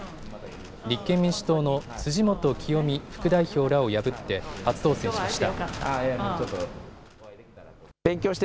立憲民主党の辻元清美副代表らを破って初当選しました。